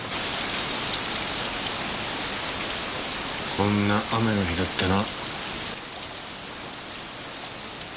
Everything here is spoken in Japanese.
こんな雨の日だったな。